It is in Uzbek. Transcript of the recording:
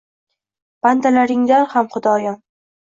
Bandalaringdan ham Xudoyim.